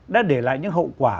đã để lại những hậu quả